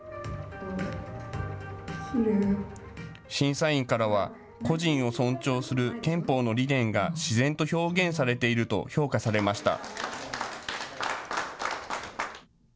審査員からは個人を尊重する憲法の理念が自然と表現されていると評価されました。